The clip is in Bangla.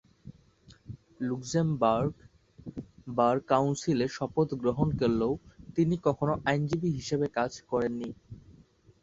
লুক্সেমবার্গ বার কাউন্সিলে শপথ গ্রহণ করলেও তিনি কখনো আইনজীবী হিসেবে কাজ করেন নি।